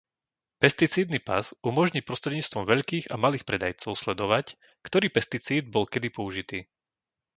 pesticídny pas umožní prostredníctvom veľkých a malých predajcov sledovať, ktorý pesticíd bol kedy použitý.